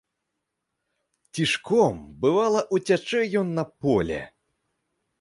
Цішком, бывала, уцячэ ён на поле.